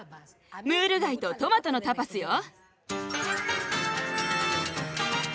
ムール貝とトマトのタパスよ。